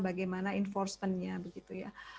bagaimana enforcement nya begitu ya